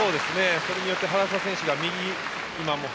それによって原沢選手が右を。